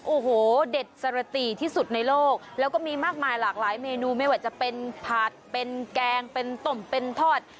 โอ้โหเด็ดสรติที่สุดในโลกแล้วก็มีมากมายหลากหลายเมนูไม่ว่าจะเป็นผัดเป็นแกงเป็นต้มเป็นทอด